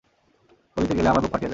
বলিতে গেলে আমার বুক ফাটিয়া যায়।